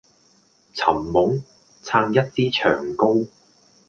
尋夢？撐一支長篙